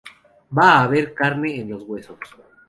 Va a haber carne en los huesos.